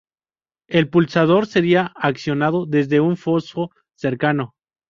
El pulsador sería accionado desde un foso cercano.